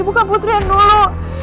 bukan putri yang dulu